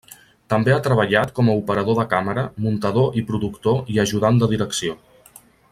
També ha treballat com a operador de càmera, muntador i productor i ajudant de direcció.